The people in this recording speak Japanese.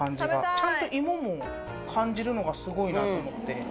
ちゃんと芋も感じるのがすごいなと思って。